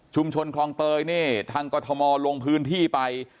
ชุมชนคลองเตยเนี่ยทางกฏมลงพื้นที่ไป